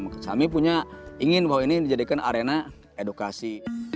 mungkin tapi kalau anak anak ingin bahwa ini dijadikan arena edukasi